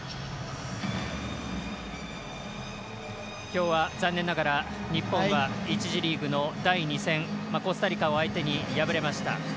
今日は残念ながら日本は１次リーグの第２戦コスタリカを相手に敗れました。